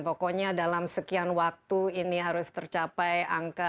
pokoknya dalam sekian waktu ini harus tercapai angka